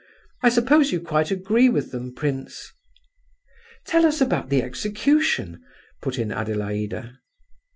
I suppose you quite agree with them, prince?" "Tell us about the execution," put in Adelaida.